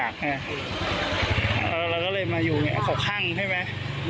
ก็เลยมาอยู่ขอข้างใช่ไหม